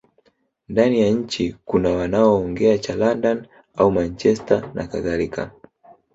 Ndani ya nchi kuna wanaoongea cha London au Manchester nakadhalika